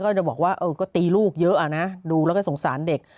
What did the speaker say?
ก็จะบอกว่าเออก็ตีลูกเยอะนะดูแล้วก็สงสารเด็ก